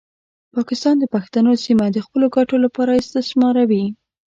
پاکستان د پښتنو سیمه د خپلو ګټو لپاره استثماروي.